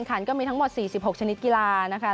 ด้วยกันก็มีทั้งหมดสี่สิบพักชี้ลากิลานะ